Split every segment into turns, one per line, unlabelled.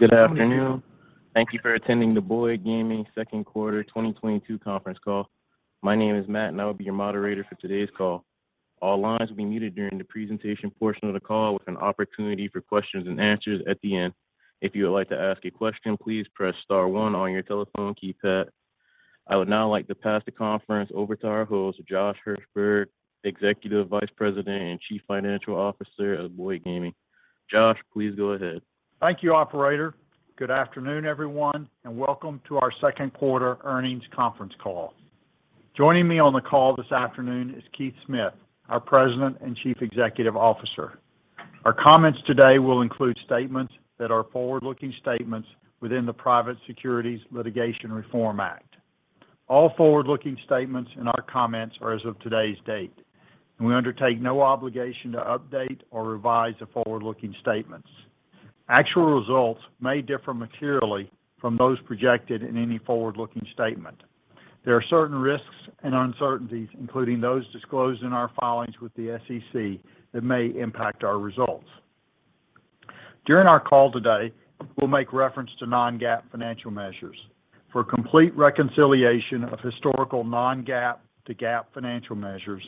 Good afternoon. Thank you for attending the Boyd Gaming second quarter 2022 conference call. My name is Matt, and I will be your moderator for today's call. All lines will be muted during the presentation portion of the call with an opportunity for questions and answers at the end. If you would like to ask a question, please press star one on your telephone keypad. I would now like to pass the conference over to our host, Josh Hirsberg, Executive Vice President and Chief Financial Officer of Boyd Gaming. Josh, please go ahead.
Thank you, operator. Good afternoon, everyone, and welcome to our second quarter earnings conference call. Joining me on the call this afternoon is Keith Smith, our President and Chief Executive Officer. Our comments today will include statements that are forward-looking statements within the Private Securities Litigation Reform Act. All forward-looking statements in our comments are as of today's date, and we undertake no obligation to update or revise the forward-looking statements. Actual results may differ materially from those projected in any forward-looking statement. There are certain risks and uncertainties, including those disclosed in our filings with the SEC, that may impact our results. During our call today, we'll make reference to non-GAAP financial measures. For complete reconciliation of historical non-GAAP to GAAP financial measures,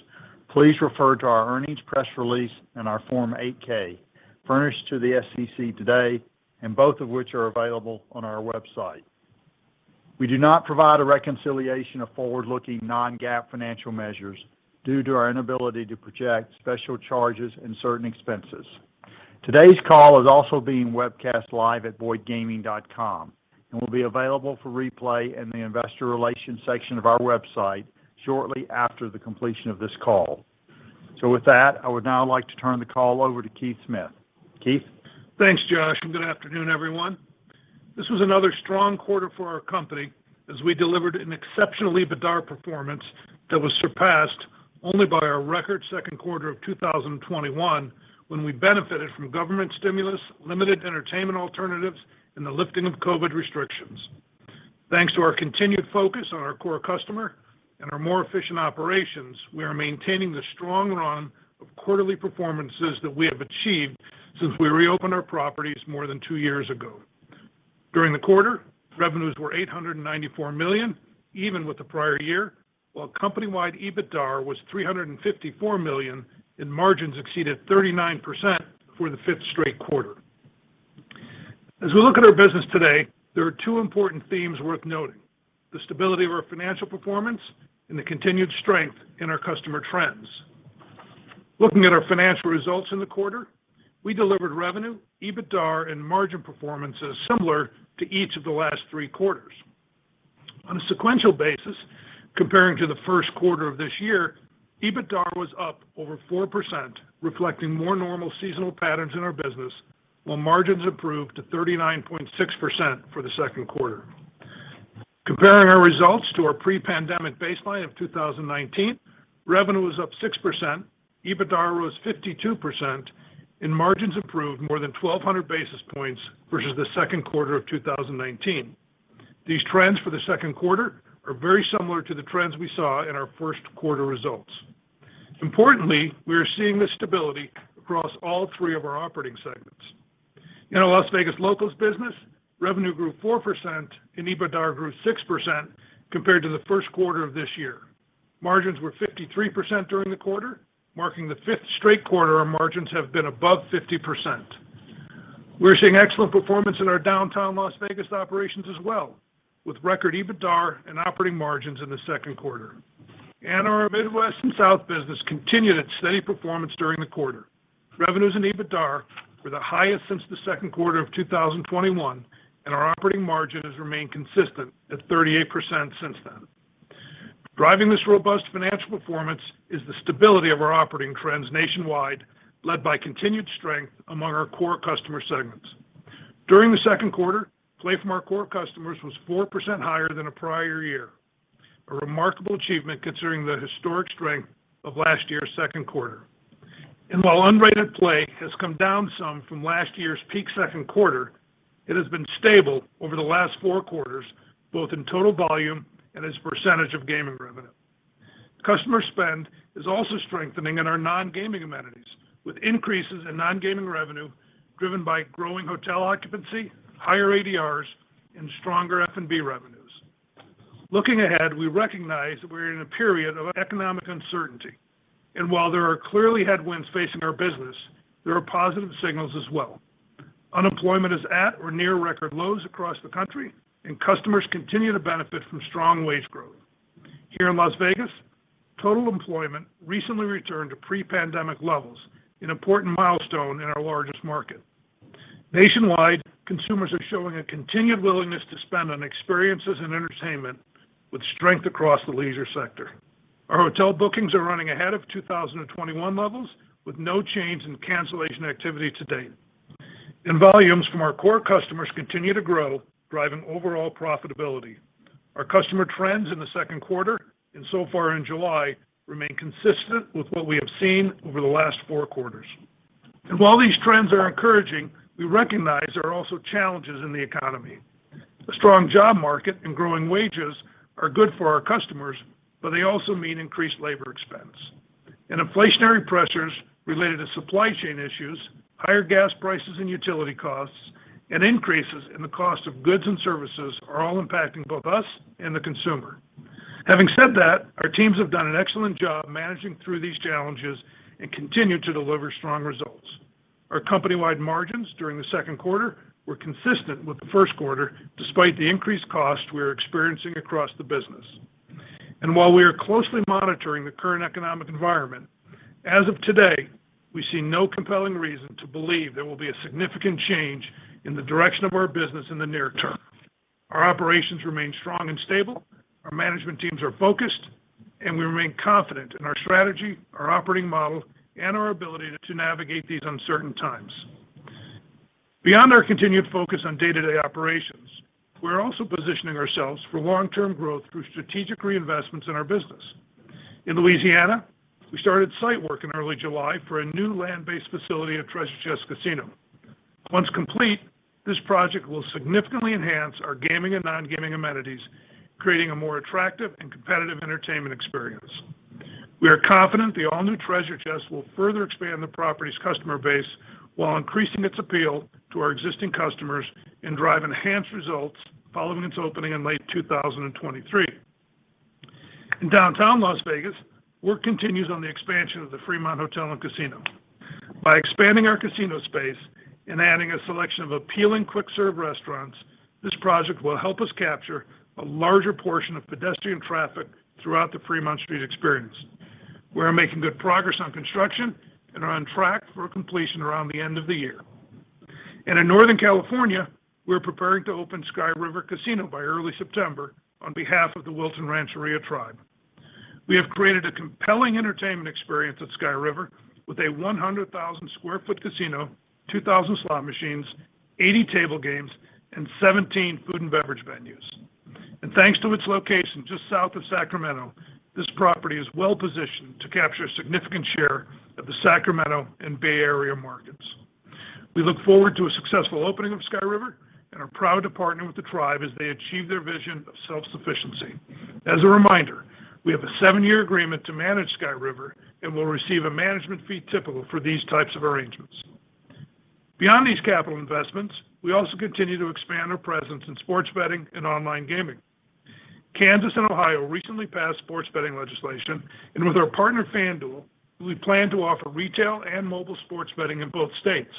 please refer to our earnings press release and our Form 8-K, furnished to the SEC today, and both of which are available on our website. We do not provide a reconciliation of forward-looking non-GAAP financial measures due to our inability to project special charges and certain expenses. Today's call is also being webcast live at boydgaming.com and will be available for replay in the Investor Relations section of our website shortly after the completion of this call. With that, I would now like to turn the call over to Keith Smith. Keith?
Thanks, Josh, and good afternoon, everyone. This was another strong quarter for our company as we delivered an exceptional EBITDAR performance that was surpassed only by our record second quarter of 2021 when we benefited from government stimulus, limited entertainment alternatives, and the lifting of COVID restrictions. Thanks to our continued focus on our core customer and our more efficient operations, we are maintaining the strong run of quarterly performances that we have achieved since we reopened our properties more than two years ago. During the quarter, revenues were $894 million, even with the prior year, while company-wide EBITDAR was $354 million, and margins exceeded 39% for the fifth straight quarter. As we look at our business today, there are two important themes worth noting, the stability of our financial performance and the continued strength in our customer trends. Looking at our financial results in the quarter, we delivered revenue, EBITDAR, and margin performances similar to each of the last three quarters. On a sequential basis, comparing to the first quarter of this year, EBITDAR was up over 4%, reflecting more normal seasonal patterns in our business, while margins improved to 39.6% for the second quarter. Comparing our results to our pre-pandemic baseline of 2019, revenue was up 6%, EBITDAR rose 52%, and margins improved more than 1,200 basis points versus the second quarter of 2019. These trends for the second quarter are very similar to the trends we saw in our first quarter results. Importantly, we are seeing this stability across all three of our operating segments. In our Las Vegas Locals business, revenue grew 4% and EBITDAR grew 6% compared to the first quarter of this year. Margins were 53% during the quarter, marking the fifth straight quarter our margins have been above 50%. We're seeing excellent performance in our downtown Las Vegas operations as well, with record EBITDAR and operating margins in the second quarter. Our Midwest & South business continued its steady performance during the quarter. Revenues and EBITDAR were the highest since the second quarter of 2021, and our operating margin has remained consistent at 38% since then. Driving this robust financial performance is the stability of our operating trends nationwide, led by continued strength among our core customer segments. During the second quarter, play from our core customers was 4% higher than the prior year, a remarkable achievement considering the historic strength of last year's second quarter. While unrated play has come down some from last year's peak second quarter, it has been stable over the last four quarters, both in total volume and as a percentage of gaming revenue. Customer spend is also strengthening in our non-gaming amenities, with increases in non-gaming revenue driven by growing hotel occupancy, higher ADRs, and stronger F&B revenues. Looking ahead, we recognize that we're in a period of economic uncertainty, and while there are clearly headwinds facing our business, there are positive signals as well. Unemployment is at or near record lows across the country, and customers continue to benefit from strong wage growth. Here in Las Vegas, total employment recently returned to pre-pandemic levels, an important milestone in our largest market. Nationwide, consumers are showing a continued willingness to spend on experiences and entertainment with strength across the leisure sector. Our hotel bookings are running ahead of 2021 levels with no change in cancellation activity to date. Volumes from our core customers continue to grow, driving overall profitability. Our customer trends in the second quarter and so far in July remain consistent with what we have seen over the last four quarters. While these trends are encouraging, we recognize there are also challenges in the economy. A strong job market and growing wages are good for our customers, but they also mean increased labor expense. Inflationary pressures related to supply chain issues, higher gas prices and utility costs, and increases in the cost of goods and services are all impacting both us and the consumer. Having said that, our teams have done an excellent job managing through these challenges and continue to deliver strong results. Our company-wide margins during the second quarter were consistent with the first quarter despite the increased cost we are experiencing across the business. While we are closely monitoring the current economic environment, as of today, we see no compelling reason to believe there will be a significant change in the direction of our business in the near term. Our operations remain strong and stable, our management teams are focused, and we remain confident in our strategy, our operating model, and our ability to navigate these uncertain times. Beyond our continued focus on day-to-day operations, we're also positioning ourselves for long-term growth through strategic reinvestments in our business. In Louisiana, we started site work in early July for a new land-based facility at Treasure Chest Casino. Once complete, this project will significantly enhance our gaming and non-gaming amenities, creating a more attractive and competitive entertainment experience. We are confident the all-new Treasure Chest will further expand the property's customer base while increasing its appeal to our existing customers and drive enhanced results following its opening in late 2023. In downtown Las Vegas, work continues on the expansion of the Fremont Hotel and Casino. By expanding our casino space and adding a selection of appealing quick-serve restaurants, this project will help us capture a larger portion of pedestrian traffic throughout the Fremont Street Experience. We are making good progress on construction and are on track for completion around the end of the year. In Northern California, we're preparing to open Sky River Casino by early September on behalf of the Wilton Rancheria Tribe. We have created a compelling entertainment experience at Sky River with a 100,000 sq ft casino, 2,000 slot machines, 80 table games, and 17 food and beverage venues. Thanks to its location just south of Sacramento, this property is well-positioned to capture a significant share of the Sacramento and Bay Area markets. We look forward to a successful opening of Sky River and are proud to partner with the tribe as they achieve their vision of self-sufficiency. As a reminder, we have a seven-year agreement to manage Sky River and will receive a management fee typical for these types of arrangements. Beyond these capital investments, we also continue to expand our presence in sports betting and online gaming. Kansas and Ohio recently passed sports betting legislation, and with our partner, FanDuel, we plan to offer retail and mobile sports betting in both states.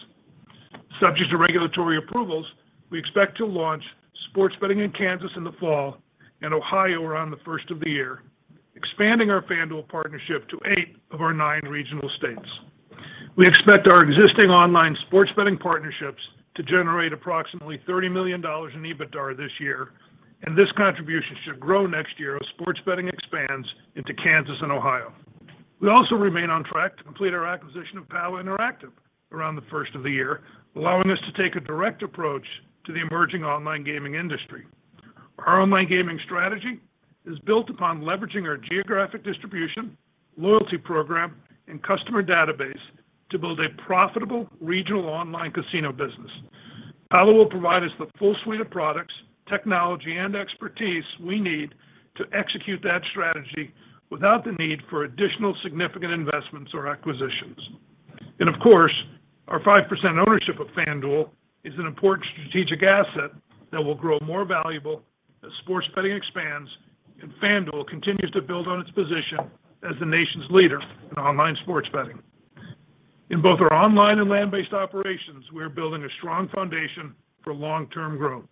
Subject to regulatory approvals, we expect to launch sports betting in Kansas in the fall and Ohio around the first of the year, expanding our FanDuel partnership to eight of our nine regional states. We expect our existing online sports betting partnerships to generate approximately $30 million in EBITDAR this year, and this contribution should grow next year as sports betting expands into Kansas and Ohio. We also remain on track to complete our acquisition of Pala Interactive around the first of the year, allowing us to take a direct approach to the emerging online gaming industry. Our online gaming strategy is built upon leveraging our geographic distribution, loyalty program, and customer database to build a profitable regional online casino business. Pala will provide us the full suite of products, technology, and expertise we need to execute that strategy without the need for additional significant investments or acquisitions. Of course, our 5% ownership of FanDuel is an important strategic asset that will grow more valuable as sports betting expands and FanDuel continues to build on its position as the nation's leader in online sports betting. In both our online and land-based operations, we are building a strong foundation for long-term growth.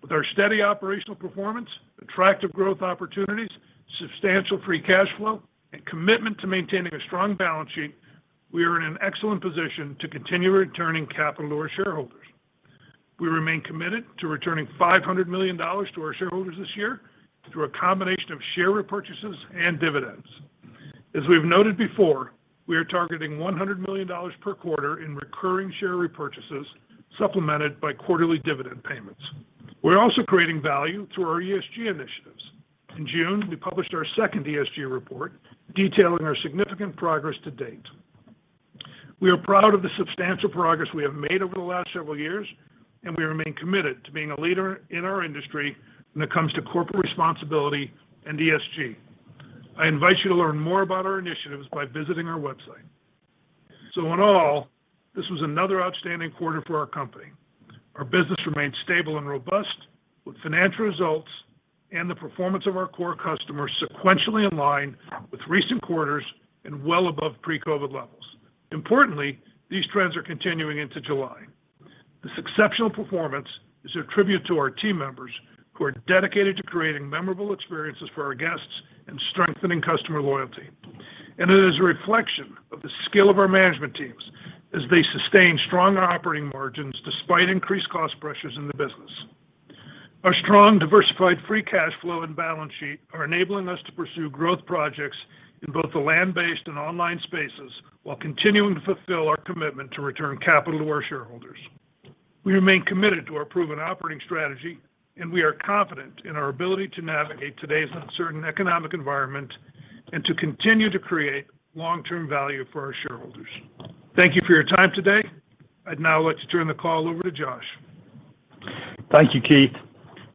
With our steady operational performance, attractive growth opportunities, substantial free cash flow, and commitment to maintaining a strong balance sheet, we are in an excellent position to continue returning capital to our shareholders. We remain committed to returning $500 million to our shareholders this year through a combination of share repurchases and dividends. As we've noted before, we are targeting $100 million per quarter in recurring share repurchases supplemented by quarterly dividend payments. We're also creating value through our ESG initiatives. In June, we published our second ESG report detailing our significant progress to date. We are proud of the substantial progress we have made over the last several years, and we remain committed to being a leader in our industry when it comes to corporate responsibility and ESG. I invite you to learn more about our initiatives by visiting our website. In all, this was another outstanding quarter for our company. Our business remains stable and robust, with financial results and the performance of our core customers sequentially in line with recent quarters and well above pre-COVID levels. Importantly, these trends are continuing into July. This exceptional performance is a tribute to our team members who are dedicated to creating memorable experiences for our guests and strengthening customer loyalty. It is a reflection of the skill of our management teams as they sustain strong operating margins despite increased cost pressures in the business. Our strong, diversified free cash flow and balance sheet are enabling us to pursue growth projects in both the land-based and online spaces while continuing to fulfill our commitment to return capital to our shareholders. We remain committed to our proven operating strategy, and we are confident in our ability to navigate today's uncertain economic environment and to continue to create long-term value for our shareholders. Thank you for your time today. I'd now like to turn the call over to Josh.
Thank you, Keith.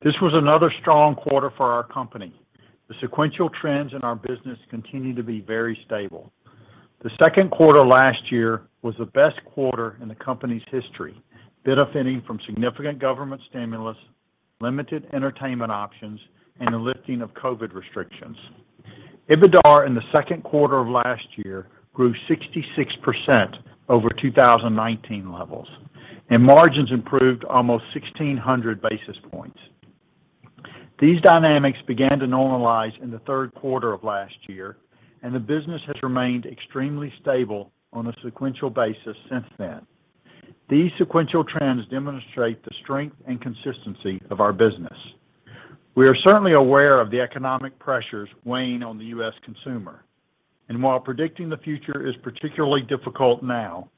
This was another strong quarter for our company. The sequential trends in our business continue to be very stable. The second quarter last year was the best quarter in the company's history, benefiting from significant government stimulus, limited entertainment options, and the lifting of COVID restrictions. EBITDA in the second quarter of last year grew 66% over 2019 levels, and margins improved almost 1,600 basis points. These dynamics began to normalize in the third quarter of last year, and the business has remained extremely stable on a sequential basis since then. These sequential trends demonstrate the strength and consistency of our business. We are certainly aware of the economic pressures weighing on the U.S. consumer. While predicting the future is particularly difficult now,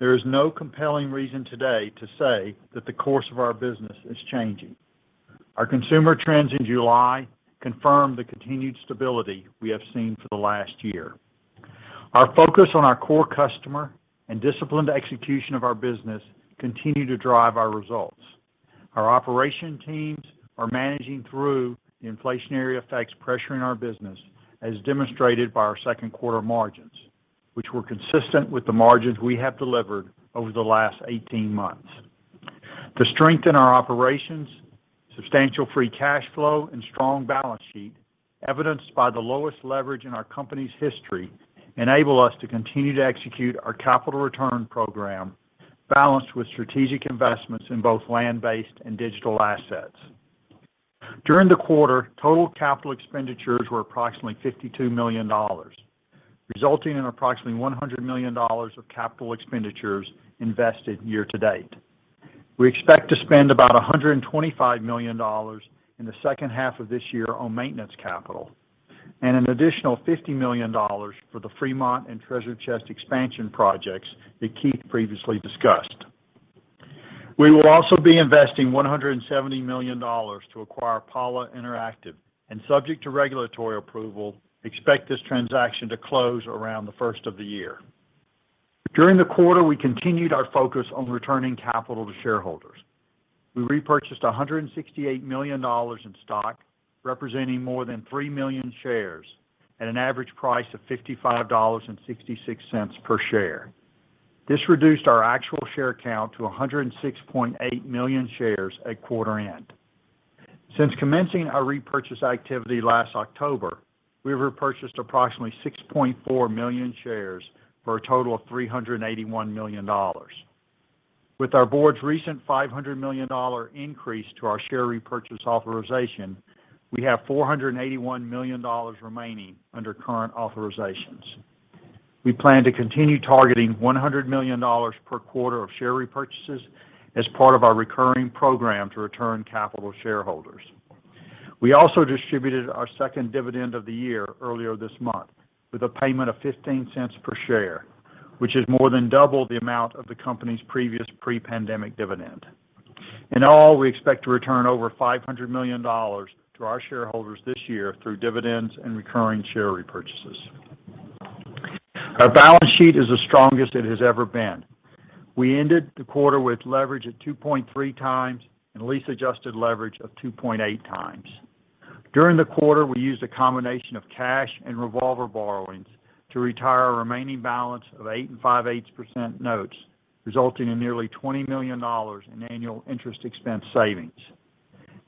there is no compelling reason today to say that the course of our business is changing. Our consumer trends in July confirm the continued stability we have seen for the last year. Our focus on our core customer and disciplined execution of our business continue to drive our results. Our operation teams are managing through inflationary effects pressuring our business, as demonstrated by our second quarter margins, which were consistent with the margins we have delivered over the last 18 months. To strengthen our operations, substantial free cash flow and strong balance sheet, evidenced by the lowest leverage in our company's history, enable us to continue to execute our capital return program, balanced with strategic investments in both land-based and digital assets. During the quarter, total capital expenditures were approximately $52 million, resulting in approximately $100 million of capital expenditures invested year-to-date. We expect to spend about $125 million in the second half of this year on maintenance capital and an additional $50 million for the Fremont and Treasure Chest expansion projects that Keith previously discussed. We will also be investing $170 million to acquire Pala Interactive, and subject to regulatory approval, expect this transaction to close around the first of the year. During the quarter, we continued our focus on returning capital to shareholders. We repurchased $168 million in stock, representing more than 3 million shares at an average price of $55.66 per share. This reduced our actual share count to 106.8 million shares at quarter end. Since commencing our repurchase activity last October, we've repurchased approximately 6.4 million shares for a total of $381 million. With our board's recent $500 million increase to our share repurchase authorization, we have $481 million remaining under current authorizations. We plan to continue targeting $100 million per quarter of share repurchases as part of our recurring program to return capital to shareholders. We also distributed our second dividend of the year earlier this month with a payment of $0.15 per share, which is more than double the amount of the company's previous pre-pandemic dividend. In all, we expect to return over $500 million to our shareholders this year through dividends and recurring share repurchases. Our balance sheet is the strongest it has ever been. We ended the quarter with leverage of 2.3x and lease adjusted leverage of 2.8x. During the quarter, we used a combination of cash and revolver borrowings to retire our remaining balance of 8 5/8% notes, resulting in nearly $20 million in annual interest expense savings.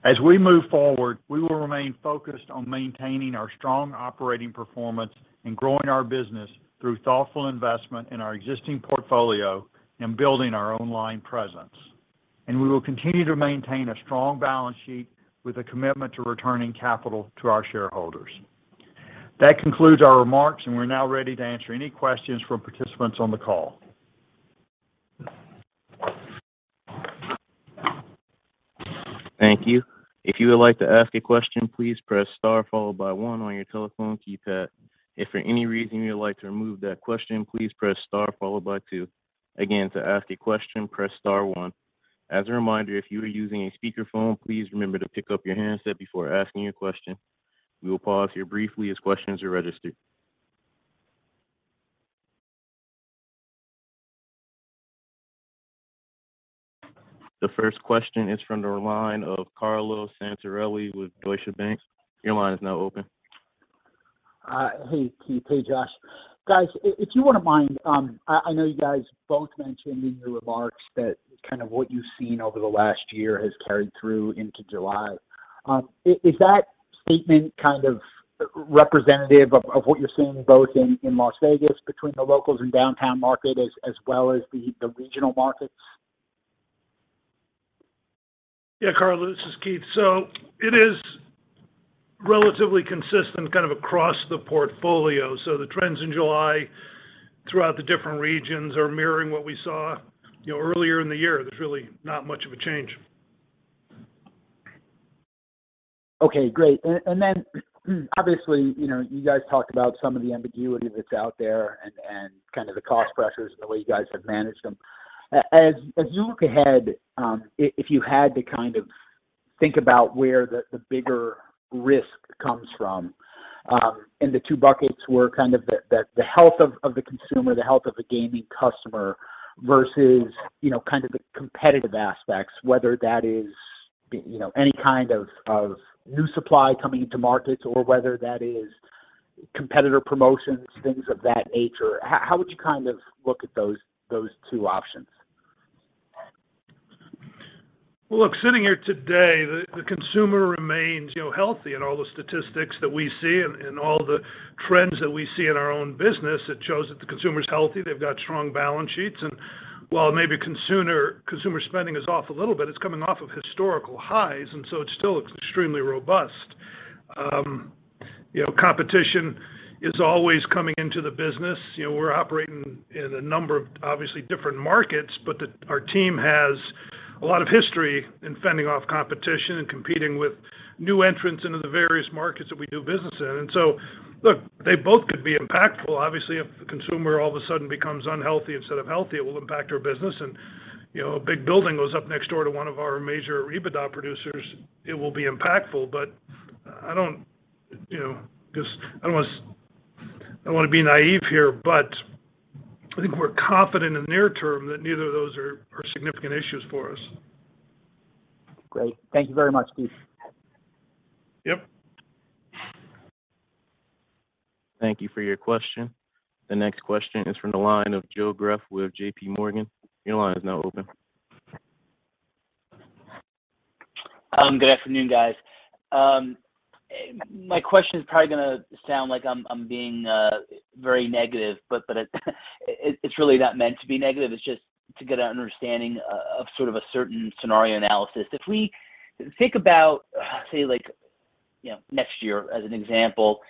As we move forward, we will remain focused on maintaining our strong operating performance and growing our business through thoughtful investment in our existing portfolio and building our online presence. We will continue to maintain a strong balance sheet with a commitment to returning capital to our shareholders. That concludes our remarks, and we're now ready to answer any questions from participants on the call.
Thank you. If you would like to ask a question, please press star followed by one on your telephone keypad. If for any reason you would like to remove that question, please press star followed by two. Again, to ask a question, press star one. As a reminder, if you are using a speakerphone, please remember to pick up your handset before asking your question. We will pause here briefly as questions are registered. The first question is from the line of Carlo Santarelli with Deutsche Bank. Your line is now open.
Hey, Keith. Hey, Josh. Guys, if you wouldn't mind, I know you guys both mentioned in your remarks that kind of what you've seen over the last year has carried through into July. Is that statement kind of representative of what you're seeing both in Las Vegas between the locals and downtown market as well as the regional markets?
Yeah, Carlo, this is Keith. It is relatively consistent kind of across the portfolio. The trends in July throughout the different regions are mirroring what we saw, you know, earlier in the year. There's really not much of a change.
Okay, great. And then obviously, you know, you guys talked about some of the ambiguity that's out there and kind of the cost pressures and the way you guys have managed them. As you look ahead, if you had to kind of think about where the bigger risk comes from. The two buckets were kind of the health of the consumer, the health of the gaming customer versus, you know, kind of the competitive aspects, whether that is, you know, any kind of new supply coming into markets or whether that is competitor promotions, things of that nature. How would you kind of look at those two options?
Well, look, sitting here today, the consumer remains, you know, healthy. All the statistics that we see and all the trends that we see in our own business, it shows that the consumer's healthy. They've got strong balance sheets. While maybe consumer spending is off a little bit, it's coming off of historical highs, and so it still looks extremely robust. You know, competition is always coming into the business. You know, we're operating in a number of, obviously, different markets, but our team has a lot of history in fending off competition and competing with new entrants into the various markets that we do business in. Look, they both could be impactful. Obviously, if the consumer all of a sudden becomes unhealthy instead of healthy, it will impact our business. You know, a big building goes up next door to one of our major EBITDA producers, it will be impactful. I don't, you know, 'cause I don't wanna be naive here, but I think we're confident in the near term that neither of those are significant issues for us.
Great. Thank you very much, Keith.
Yep.
Thank you for your question. The next question is from the line of Joe Greff with JPMorgan. Your line is now open.
Good afternoon, guys. My question is probably gonna sound like I'm being very negative, but it's really not meant to be negative. It's just to get an understanding of sort of a certain scenario analysis. If we think about, say like, you know, next year as an example,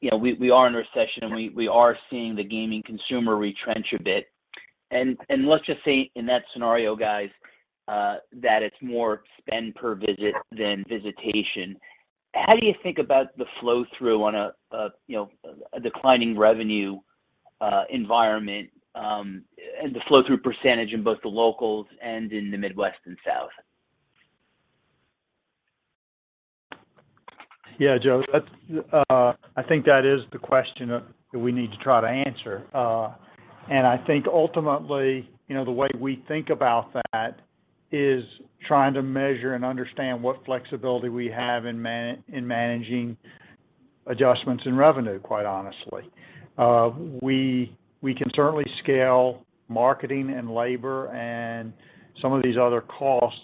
you know, we are in a recession and we are seeing the gaming consumer retrench a bit. Let's just say in that scenario, guys, that it's more spend per visit than visitation. How do you think about the flow-through on a, you know, a declining revenue environment, and the flow-through percentage in both the Locals and in the Midwest & South?
Yeah, Joe. That's, I think that is the question, that we need to try to answer. I think ultimately, you know, the way we think about that is trying to measure and understand what flexibility we have in managing adjustments in revenue, quite honestly. We can certainly scale marketing and labor and some of these other costs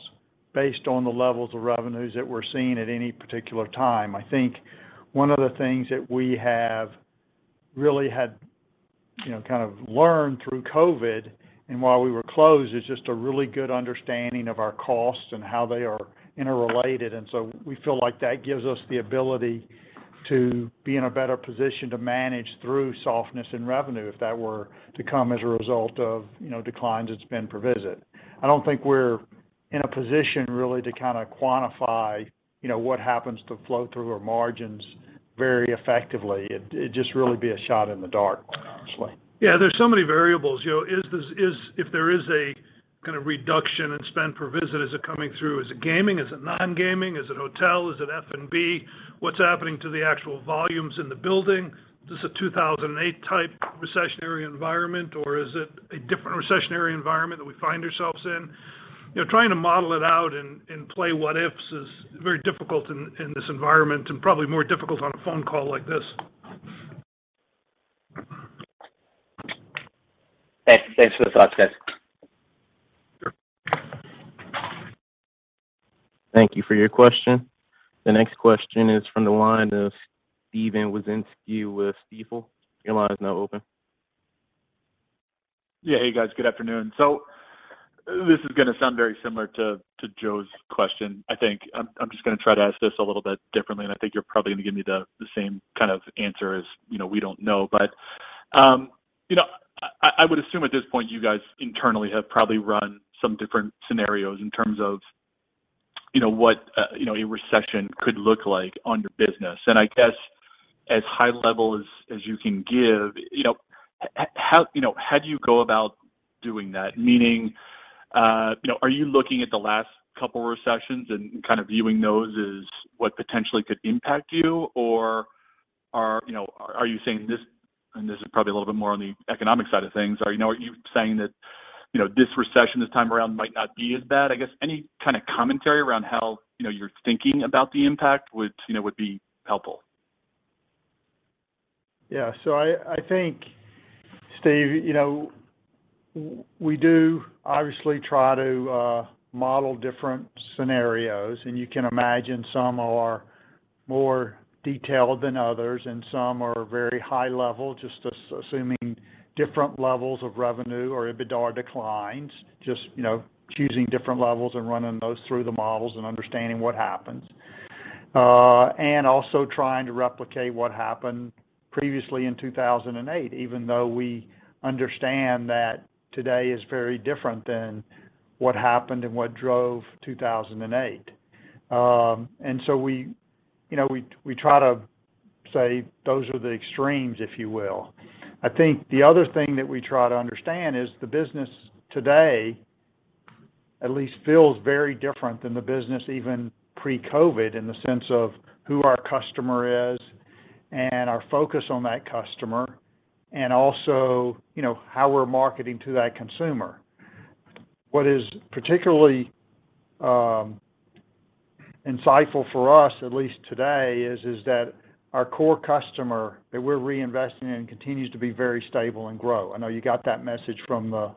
based on the levels of revenues that we're seeing at any particular time. I think one of the things that we have really had, you know, kind of learned through COVID and while we were closed is just a really good understanding of our costs and how they are interrelated. We feel like that gives us the ability to be in a better position to manage through softness in revenue if that were to come as a result of, you know, declines in spend per visit. I don't think we're in a position really to kinda quantify, you know, what happens to flow through our margins very effectively. It'd just really be a shot in the dark, quite honestly.
Yeah. There's so many variables, you know. Is this? If there is a kind of reduction in spend per visit, is it coming through? Is it gaming? Is it non-gaming? Is it hotel? Is it F&B? What's happening to the actual volumes in the building? Is this a 2008 type recessionary environment, or is it a different recessionary environment that we find ourselves in? You know, trying to model it out and play what ifs is very difficult in this environment and probably more difficult on a phone call like this.
Thanks for the thoughts, guys.
Thank you for your question. The next question is from the line of Steven Wieczynski with Stifel. Your line is now open.
Yeah. Hey, guys. Good afternoon. This is gonna sound very similar to Joe's question, I think. I'm just gonna try to ask this a little bit differently, and I think you're probably gonna give me the same kind of answer as, you know, we don't know. You know, I would assume at this point you guys internally have probably run some different scenarios in terms of, you know, what, you know, a recession could look like on your business. I guess as high level as you can give, you know, how do you go about doing that? Meaning, you know, are you looking at the last couple recessions and kind of viewing those as what potentially could impact you? This is probably a little bit more on the economic side of things. Are you saying that this recession this time around might not be as bad? I guess any kind of commentary around how, you know, you're thinking about the impact would be helpful.
Yeah. I think, Steve, you know, we do obviously try to model different scenarios, and you can imagine some are more detailed than others and some are very high level, just assuming different levels of revenue or EBITDA declines, just, you know, choosing different levels and running those through the models and understanding what happens. Also trying to replicate what happened previously in 2008, even though we understand that today is very different than what happened and what drove 2008. You know, we try to say those are the extremes, if you will. I think the other thing that we try to understand is the business today at least feels very different than the business even pre-COVID, in the sense of who our customer is and our focus on that customer and also, you know, how we're marketing to that consumer. What is particularly insightful for us, at least today, is that our core customer that we're reinvesting in continues to be very stable and grow. I know you got that message from the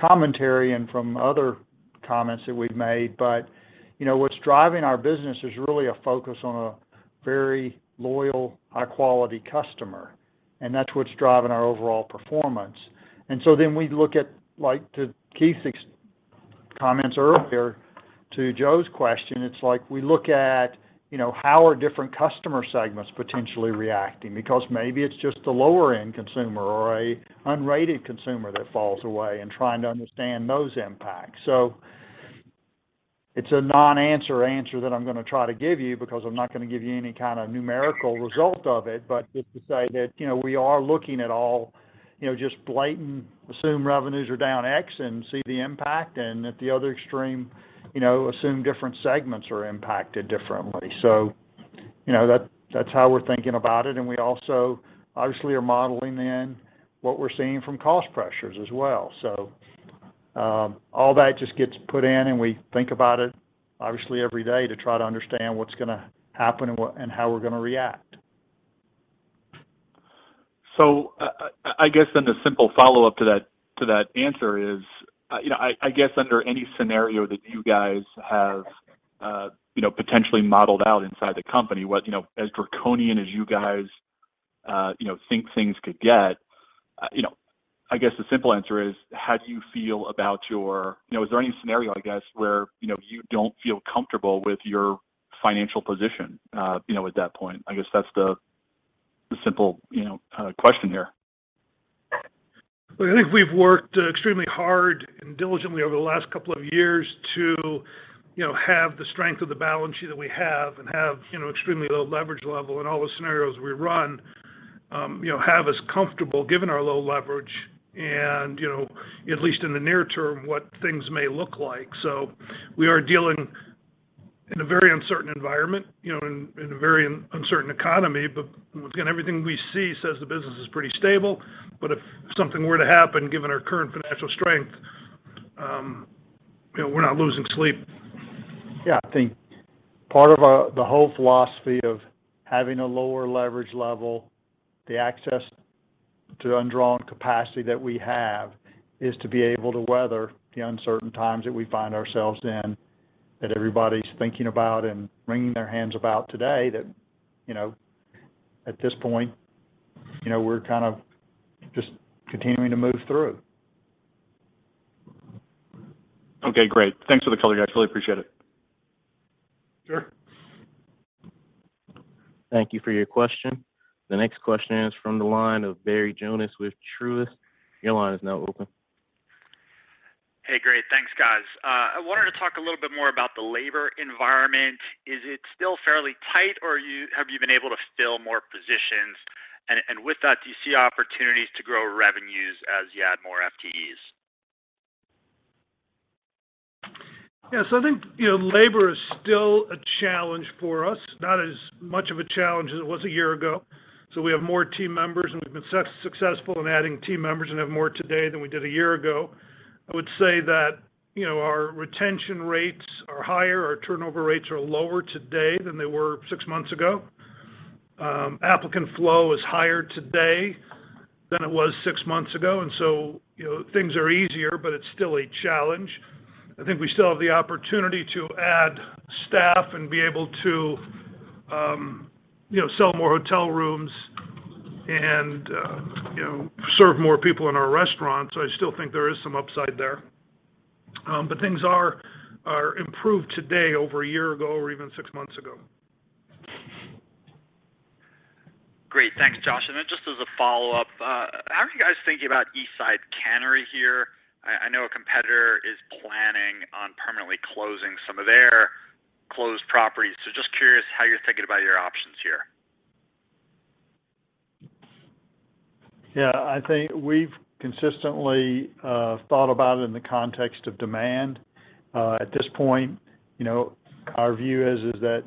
commentary and from other comments that we've made, but, you know, what's driving our business is really a focus on a very loyal, high-quality customer, and that's what's driving our overall performance. We look at, like, to Keith's comments earlier, to Joe's question. It's like we look at, you know, how are different customer segments potentially reacting? Because maybe it's just the lower-end consumer or a unrated consumer that falls away, and trying to understand those impacts. It's a non-answer answer that I'm gonna try to give you because I'm not gonna give you any kind of numerical result of it, but just to say that, you know, we are looking at all, you know, just blanket assume revenues are down X and see the impact and at the other extreme, you know, assume different segments are impacted differently. You know, that's how we're thinking about it. We also obviously are modeling in what we're seeing from cost pressures as well. All that just gets put in, and we think about it obviously every day to try to understand what's gonna happen and how we're gonna react.
I guess then the simple follow-up to that answer is, you know, I guess under any scenario that you guys have, you know, potentially modeled out inside the company, what, you know, as draconian as you guys, you know, think things could get, you know, I guess the simple answer is, how do you feel about your. You know, is there any scenario, I guess, where, you know, you don't feel comfortable with your financial position, you know, at that point? I guess that's the simple, you know, question here.
Look, I think we've worked extremely hard and diligently over the last couple of years to, you know, have the strength of the balance sheet that we have and have, you know, extremely low leverage level in all the scenarios we run, you know, have us comfortable, given our low leverage and, you know, at least in the near term, what things may look like. We are dealing in a very uncertain environment, you know, in a very uncertain economy. Once again, everything we see says the business is pretty stable. If something were to happen, given our current financial strength, you know, we're not losing sleep.
Yeah. I think part of the whole philosophy of having a lower leverage level, the access to undrawn capacity that we have, is to be able to weather the uncertain times that we find ourselves in, that everybody's thinking about and wringing their hands about today, that, you know, at this point, you know, we're kind of just continuing to move through.
Okay. Great. Thanks for the color, guys. Really appreciate it.
Sure.
Thank you for your question. The next question is from the line of Barry Jonas with Truist. Your line is now open.
Hey. Great. Thanks, guys. I wanted to talk a little bit more about the labor environment. Is it still fairly tight, or have you been able to fill more positions? With that, do you see opportunities to grow revenues as you add more FTEs?
Yeah. I think, you know, labor is still a challenge for us. Not as much of a challenge as it was a year ago. We have more team members, and we've been successful in adding team members and have more today than we did a year ago. I would say that, you know, our retention rates are higher. Our turnover rates are lower today than they were six months ago. Applicant flow is higher today than it was six months ago, and so, you know, things are easier, but it's still a challenge. I think we still have the opportunity to add staff and be able to, you know, sell more hotel rooms and, you know, serve more people in our restaurants. I still think there is some upside there. Things are improved today over a year ago or even six months ago.
Great. Thanks, Josh. Just as a follow-up, how are you guys thinking about Eastside Cannery here? I know a competitor is planning on permanently closing some of their closed properties, so just curious how you're thinking about your options here?
Yeah. I think we've consistently thought about it in the context of demand. At this point, you know, our view is that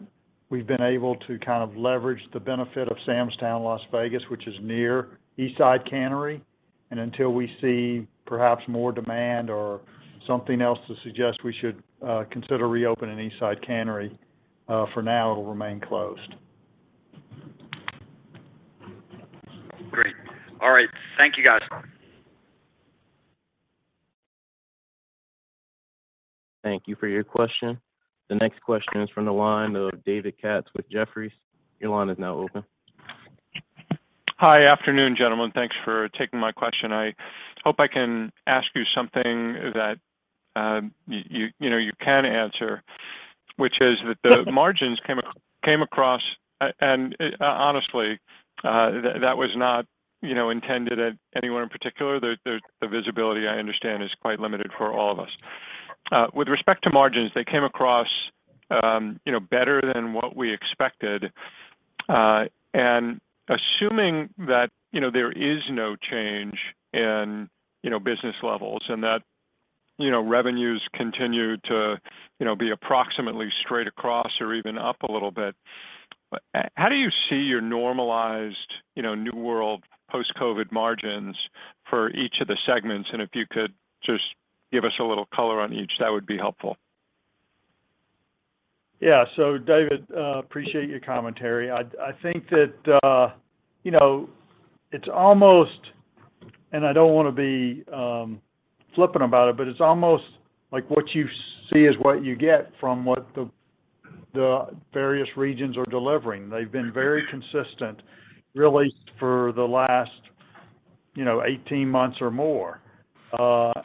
we've been able to kind of leverage the benefit of Sam's Town, Las Vegas, which is near Eastside Cannery. Until we see perhaps more demand or something else to suggest we should consider reopening Eastside Cannery, for now it'll remain closed.
Great. All right. Thank you guys.
Thank you for your question. The next question is from the line of David Katz with Jefferies. Your line is now open.
Hi. Afternoon, gentlemen. Thanks for taking my question. I hope I can ask you something that you know you can answer, which is that the margins came across. Honestly, that was not you know intended at anyone in particular. The visibility, I understand, is quite limited for all of us. With respect to margins, they came across you know better than what we expected. And assuming that you know there is no change in you know business levels and that you know revenues continue to you know be approximately straight across or even up a little bit, how do you see your normalized you know new world post-COVID margins for each of the segments? If you could just give us a little color on each, that would be helpful.
Yeah. David, I appreciate your commentary. I think that, you know, it's almost, and I don't wanna be flippant about it, but it's almost like what you see is what you get from what the various regions are delivering. They've been very consistent really for the last, you know, 18 months or more. While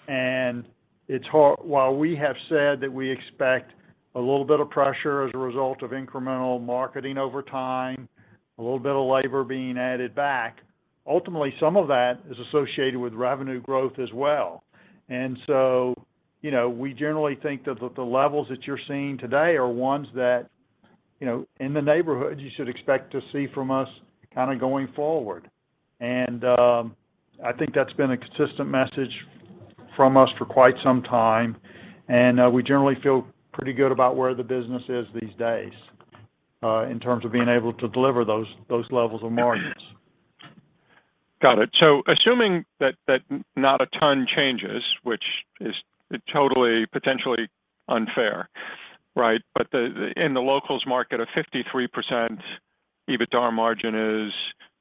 we have said that we expect a little bit of pressure as a result of incremental marketing over time, a little bit of labor being added back, ultimately some of that is associated with revenue growth as well. We generally think that the levels that you're seeing today are ones that, you know, in the neighborhood you should expect to see from us kind of going forward. I think that's been a consistent message from us for quite some time. We generally feel pretty good about where the business is these days in terms of being able to deliver those levels of margins.
Got it. Assuming that not a ton changes, which is totally potentially unfair, right? In the Locals market, a 53% EBITDAR margin is,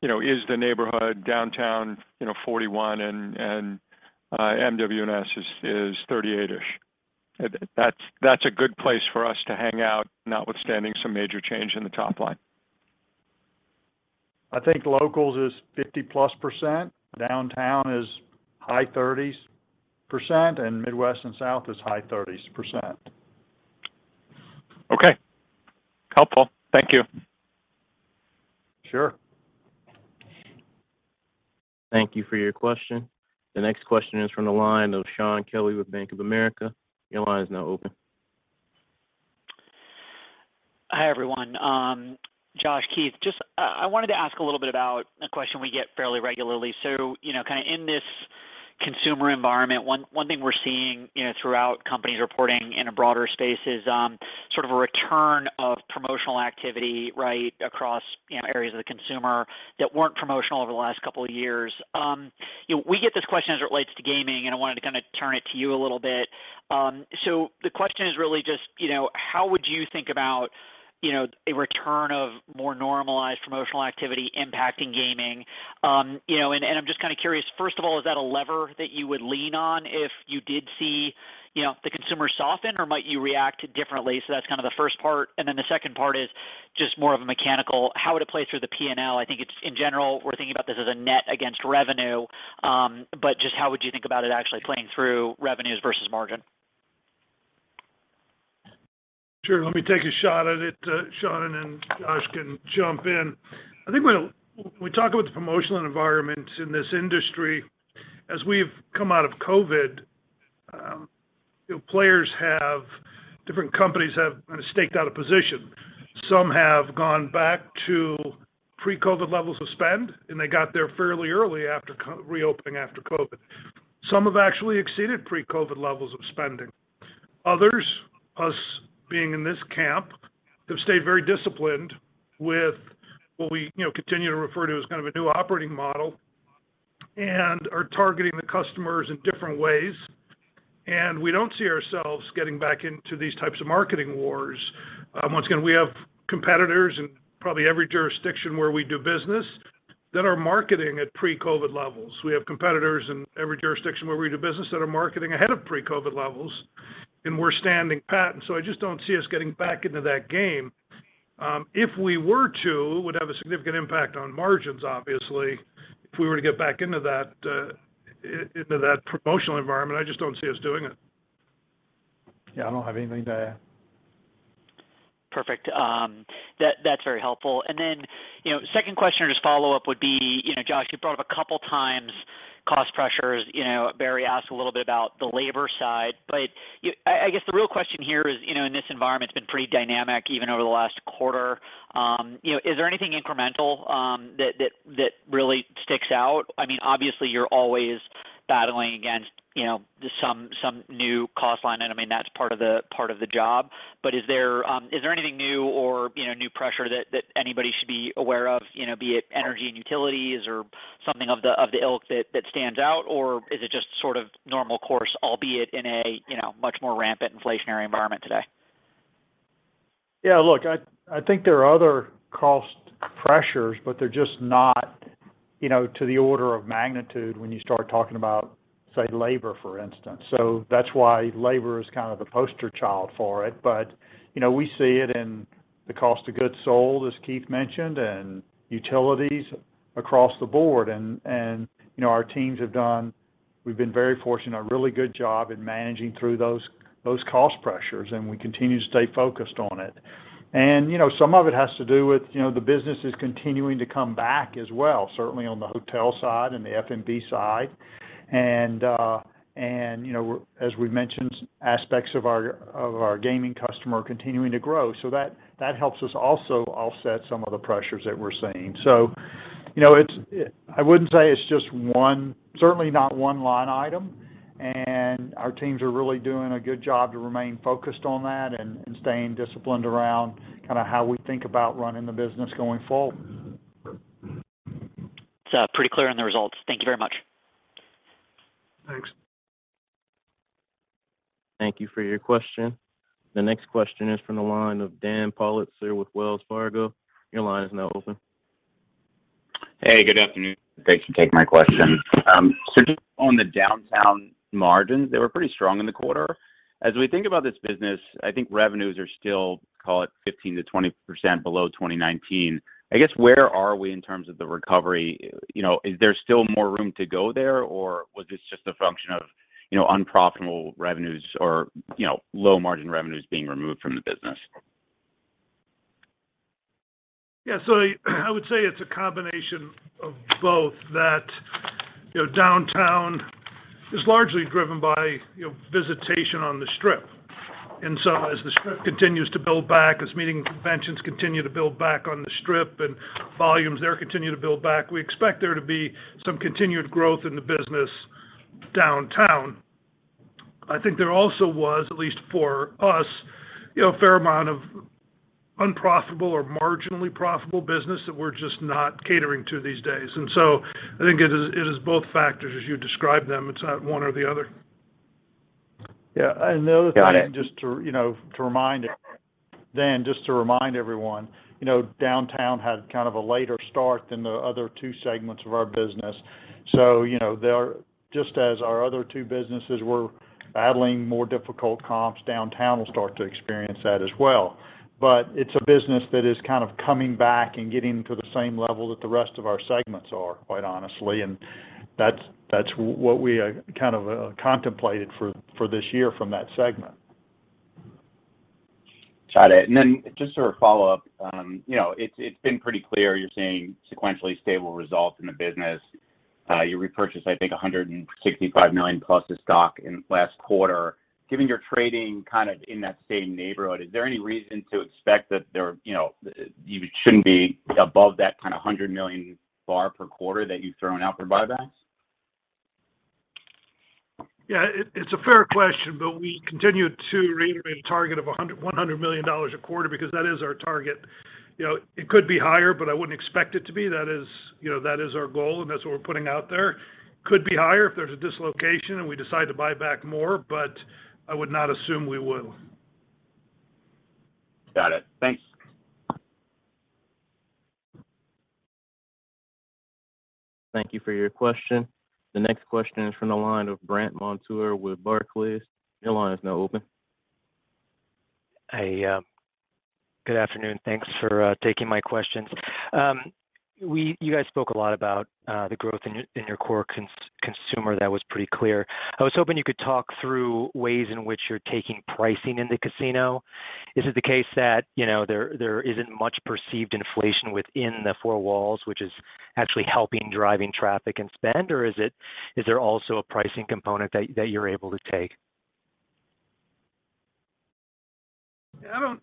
you know, the neighborhood. Downtown, you know, 41% and MW&S is 38%-ish. That's a good place for us to hang out, notwithstanding some major change in the top line.
I think Locals is 50%+. Downtown is high 30%s, and Midwest & South is high 30%s.
Okay. Helpful. Thank you.
Sure.
Thank you for your question. The next question is from the line of Shaun Kelley with Bank of America. Your line is now open.
Hi, everyone. Josh, Keith, just I wanted to ask a little bit about a question we get fairly regularly. You know, kind of in this consumer environment, one thing we're seeing, you know, throughout companies reporting in a broader space is sort of a return of promotional activity, right, across, you know, areas of the consumer that weren't promotional over the last couple of years. You know, we get this question as it relates to gaming, and I wanted to kind of turn it to you a little bit. The question is really just, you know, how would you think about, you know, a return of more normalized promotional activity impacting gaming? I'm just kind of curious, first of all, is that a lever that you would lean on if you did see, you know, the consumer soften, or might you react differently? That's kind of the first part. The second part is just more of a mechanical, how would it play through the P&L? I think it's, in general, we're thinking about this as a net against revenue, but just how would you think about it actually playing through revenues versus margin?
Sure. Let me take a shot at it, Shaun, and then Josh can jump in. I think when we talk about the promotional environment in this industry, as we've come out of COVID, you know, different companies have kind of staked out a position. Some have gone back to pre-COVID levels of spend, and they got there fairly early after reopening after COVID. Some have actually exceeded pre-COVID levels of spending. Others, us being in this camp, have stayed very disciplined with what we, you know, continue to refer to as kind of a new operating model and are targeting the customers in different ways. We don't see ourselves getting back into these types of marketing wars. Once again, we have competitors in probably every jurisdiction where we do business that are marketing at pre-COVID levels. We have competitors in every jurisdiction where we do business that are marketing ahead of pre-COVID levels, and we're standing pat. I just don't see us getting back into that game. If we were to, it would have a significant impact on margins, obviously, if we were to get back into that, into that promotional environment. I just don't see us doing it.
Yeah. I don't have anything to add.
Perfect. That's very helpful. Then, you know, second question or just follow-up would be, you know, Josh, you brought up a couple times cost pressures. You know, Barry asked a little bit about the labor side. I guess the real question here is, you know, this environment's been pretty dynamic even over the last quarter, you know, is there anything incremental that really sticks out? I mean, obviously you're always battling against, you know, some new cost line, and I mean, that's part of the job. Is there anything new or, you know, new pressure that anybody should be aware of, you know, be it energy and utilities or something of the ilk that stands out, or is it just sort of normal course, albeit in a, you know, much more rampant inflationary environment today?
Yeah. Look, I think there are other cost pressures, but they're just not, you know, to the order of magnitude when you start talking about, say, labor, for instance. That's why labor is kind of the poster child for it. You know, we see it in the cost of goods sold, as Keith mentioned, and utilities across the board. You know, our teams have done, we've been very fortunate, a really good job in managing through those cost pressures, and we continue to stay focused on it. You know, some of it has to do with, you know, the business is continuing to come back as well, certainly on the hotel side and the F&B side. You know, as we've mentioned, aspects of our gaming customer are continuing to grow. That helps us also offset some of the pressures that we're seeing. You know, I wouldn't say it's just one, certainly not one line item, and our teams are really doing a good job to remain focused on that and staying disciplined around kind of how we think about running the business going forward.
It's pretty clear in the results. Thank you very much.
Thanks.
Thank you for your question. The next question is from the line of Dan Politzer with Wells Fargo. Your line is now open.
Hey, good afternoon. Thanks for taking my question. So just on the downtown margins, they were pretty strong in the quarter. As we think about this business, I think revenues are still, call it 15%-20% below 2019. I guess, where are we in terms of the recovery? You know, is there still more room to go there, or was this just a function of, you know, unprofitable revenues or, you know, low margin revenues being removed from the business?
Yeah. I would say it's a combination of both. That, you know, downtown is largely driven by, you know, visitation on the Strip. As the Strip continues to build back, as meetings and conventions continue to build back on the Strip, and volumes there continue to build back, we expect there to be some continued growth in the business downtown. I think there also was, at least for us, you know, a fair amount of unprofitable or marginally profitable business that we're just not catering to these days. I think it is both factors as you describe them. It's not one or the other.
Yeah. The other thing.
Got it.
Just to remind everyone, you know, downtown had kind of a later start than the other two segments of our business. You know, they are just as our other two businesses were battling more difficult comps, downtown will start to experience that as well. It's a business that is kind of coming back and getting to the same level that the rest of our segments are, quite honestly. That's what we kind of contemplated for this year from that segment.
Got it. Then just sort of follow up, you know, it's been pretty clear you're seeing sequentially stable results in the business. You repurchased, I think, $165+ million of stock in the last quarter. Given you're trading kind of in that same neighborhood, is there any reason to expect that there, you know, you shouldn't be above that kind of $100 million bar per quarter that you've thrown out for buybacks?
Yeah. It's a fair question, but we continue to reiterate a target of $100 million a quarter because that is our target. You know, it could be higher, but I wouldn't expect it to be. That is, you know, our goal, and that's what we're putting out there. Could be higher if there's a dislocation, and we decide to buy back more, but I would not assume we will.
Got it. Thanks.
Thank you for your question. The next question is from the line of Brandt Montour with Barclays. Your line is now open.
Hey. Good afternoon. Thanks for taking my questions. You guys spoke a lot about the growth in your core consumer. That was pretty clear. I was hoping you could talk through ways in which you're taking pricing in the casino. Is it the case that there isn't much perceived inflation within the four walls, which is actually helping drive traffic and spend, or is there also a pricing component that you're able to take?
I don't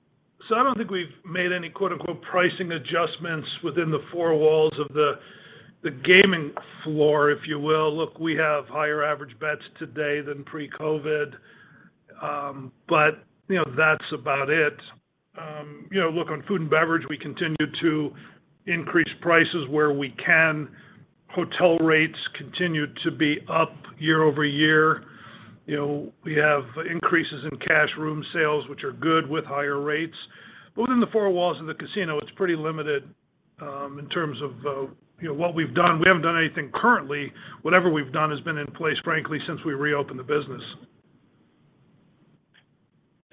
think we've made any, quote-unquote, "pricing adjustments" within the four walls of the gaming floor, if you will. Look, we have higher average bets today than pre-COVID. You know, that's about it. You know, look, on food and beverage, we continue to increase prices where we can. Hotel rates continue to be up year-over-year. You know, we have increases in cash room sales, which are good with higher rates. Within the four walls of the casino, it's pretty limited in terms of you know, what we've done. We haven't done anything currently. Whatever we've done has been in place, frankly, since we reopened the business.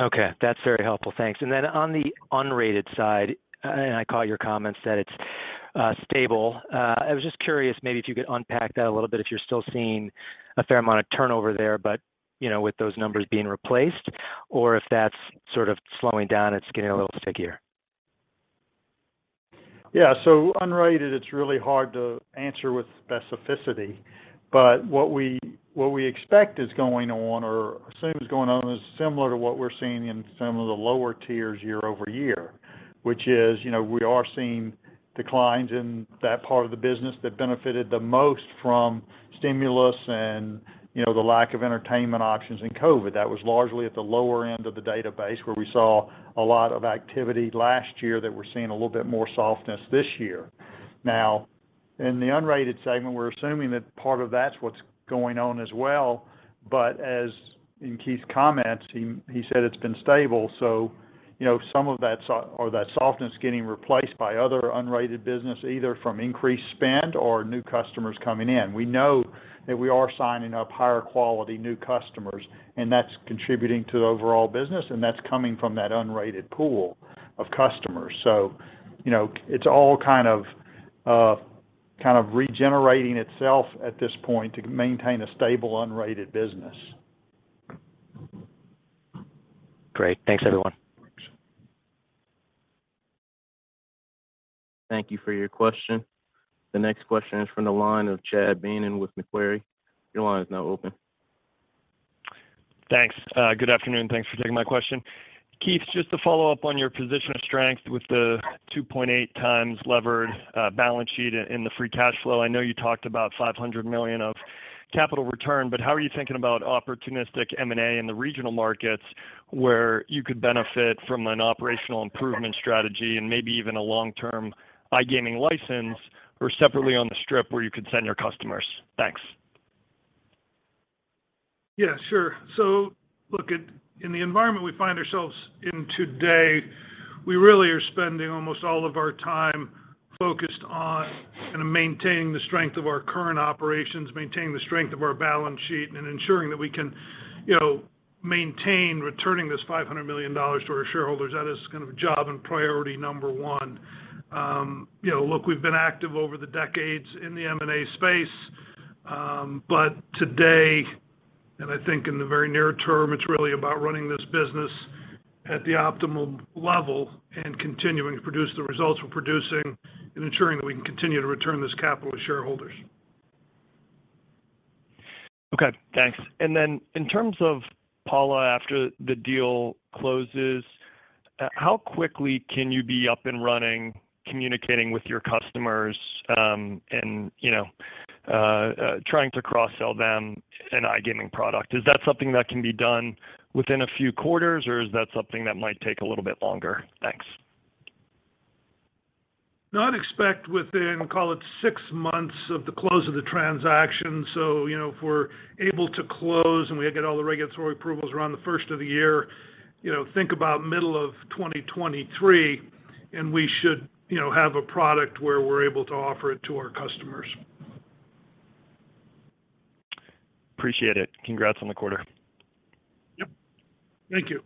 Okay. That's very helpful. Thanks. On the unrated side, and I caught your comments that it's stable. I was just curious, maybe if you could unpack that a little bit, if you're still seeing a fair amount of turnover there, but, you know, with those numbers being replaced, or if that's sort of slowing down, it's getting a little stickier.
Yeah. Unrated, it's really hard to answer with specificity. What we expect is going on or assume is going on is similar to what we're seeing in some of the lower tiers year-over-year, which is, you know, we are seeing declines in that part of the business that benefited the most from stimulus and, you know, the lack of entertainment options in COVID. That was largely at the lower end of the database, where we saw a lot of activity last year that we're seeing a little bit more softness this year. Now in the unrated segment, we're assuming that part of that's what's going on as well. As in Keith's comments, he said it's been stable, so, you know, some of that softness is getting replaced by other unrated business, either from increased spend or new customers coming in. We know that we are signing up higher quality new customers, and that's contributing to the overall business, and that's coming from that unrated pool of customers. You know, it's all kind of kind of regenerating itself at this point to maintain a stable unrated business.
Great. Thanks, everyone.
Thank you for your question. The next question is from the line of Chad Beynon with Macquarie. Your line is now open.
Thanks. Good afternoon. Thanks for taking my question. Keith, just to follow up on your position of strength with the 2.8x levered balance sheet in the free cash flow. I know you talked about $500 million of capital return, but how are you thinking about opportunistic M&A in the regional markets where you could benefit from an operational improvement strategy and maybe even a long-term iGaming license or separately on the Strip where you could send your customers? Thanks.
Yeah, sure. In the environment we find ourselves in today, we really are spending almost all of our time focused on kind of maintaining the strength of our current operations, maintaining the strength of our balance sheet, and ensuring that we can, you know, maintain returning this $500 million to our shareholders. That is kind of job and priority number one. You know, look, we've been active over the decades in the M&A space. Today, and I think in the very near term, it's really about running this business at the optimal level and continuing to produce the results we're producing and ensuring that we can continue to return this capital to shareholders.
Okay, thanks. In terms of Pala, after the deal closes, how quickly can you be up and running, communicating with your customers, and, you know, trying to cross-sell them an iGaming product? Is that something that can be done within a few quarters, or is that something that might take a little bit longer? Thanks.
No, I'd expect within, call it, six months of the close of the transaction. You know, if we're able to close and we get all the regulatory approvals around the first of the year, you know, think about middle of 2023, and we should, you know, have a product where we're able to offer it to our customers.
Appreciate it. Congrats on the quarter.
Yep. Thank you.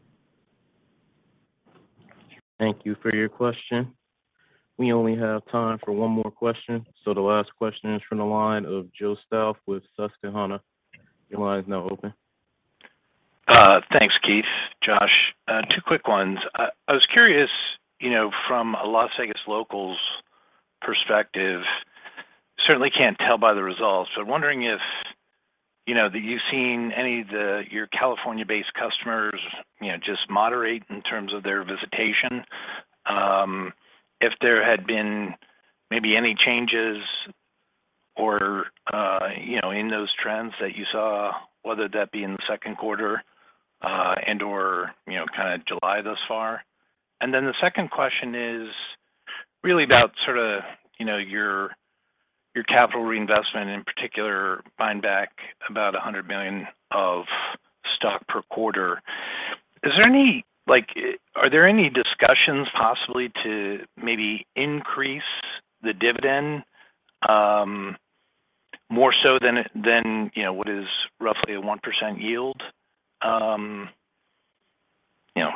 Thank you for your question. We only have time for one more question. The last question is from the line of Joe Stauff with Susquehanna. Your line is now open.
Thanks, Keith, Josh. Two quick ones. I was curious, you know, from a Las Vegas Locals' perspective, certainly can't tell by the results. Wondering if, you know, that you've seen any of your California-based customers, you know, just moderate in terms of their visitation, if there had been maybe any changes or, you know, in those trends that you saw, whether that be in the second quarter, and/or, you know, July thus far. The second question is really about, you know, your capital reinvestment, in particular, buying back about $100 million of stock per quarter. Is there any like, are there any discussions possibly to maybe increase the dividend, more so than, you know, what is roughly a 1% yield? You know,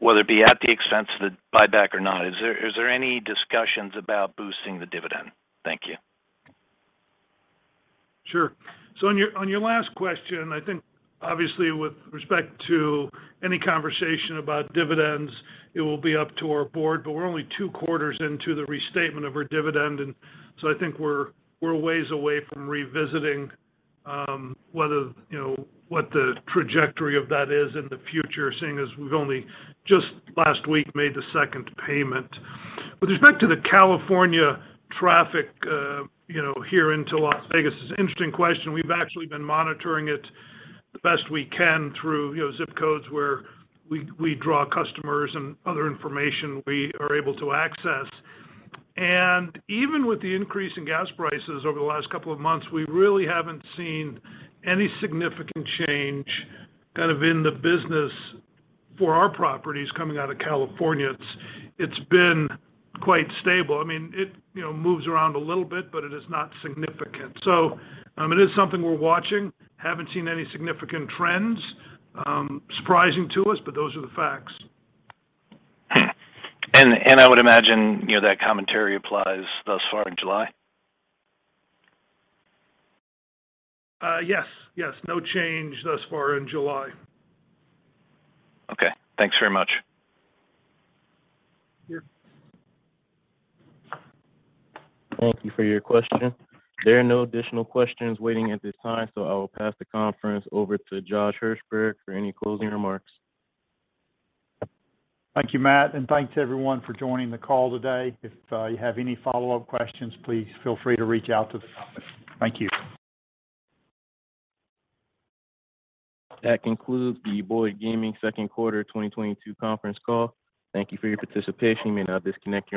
whether it be at the expense of the buyback or not, is there any discussions about boosting the dividend? Thank you.
Sure. On your last question, I think obviously with respect to any conversation about dividends, it will be up to our board. We're only two quarters into the restatement of our dividend, and so I think we're ways away from revisiting, whether, you know, what the trajectory of that is in the future, seeing as we've only just last week made the second payment. With respect to the California traffic, you know, here into Las Vegas is an interesting question. We've actually been monitoring it the best we can through, you know, zip codes where we draw customers and other information we are able to access. Even with the increase in gas prices over the last couple of months, we really haven't seen any significant change kind of in the business for our properties coming out of California. It's been quite stable. I mean, it, you know, moves around a little bit, but it is not significant. It is something we're watching. Haven't seen any significant trends. Surprising to us, but those are the facts.
I would imagine, you know, that commentary applies thus far in July.
Yes. No change thus far in July.
Okay. Thanks very much.
Sure.
Thank you for your question. There are no additional questions waiting at this time, so I will pass the conference over to Josh Hirsberg for any closing remarks.
Thank you, Matt. Thanks everyone for joining the call today. If you have any follow-up questions, please feel free to reach out to the office. Thank you.
That concludes the Boyd Gaming second quarter 2022 conference call. Thank you for your participation. You may now disconnect your line.